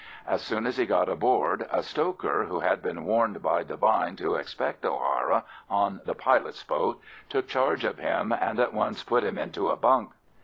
As soon as he got aboard, a stoker, who had been warned by Devine to expect O'Hara on the pilot's boat, took charge of him, and at once put him into a bunk.